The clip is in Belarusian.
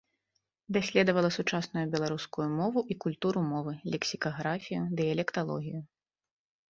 Даследавала сучасную беларускую мову і культуру мовы, лексікаграфію, дыялекталогію.